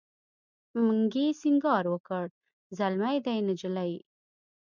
منګي سینګار وکړ زلمی دی نجلۍ